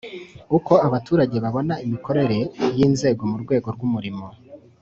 Uko abaturage babona imikorere y inzego mu rwego rw umurimo